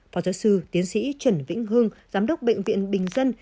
phó giáo sư tiến sĩ trần vĩnh hương giám đốc bệnh viện bình dân